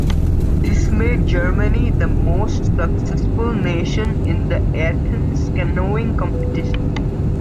This made Germany the most successful nation in the Athens canoeing competition.